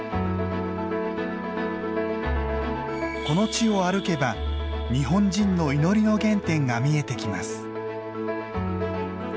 この地を歩けば日本人の祈りの原点が見えてきます。